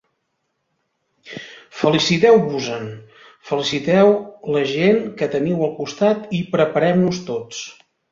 Feliciteu-vos-en, feliciteu la gent que teniu al costat i preparem-nos tots.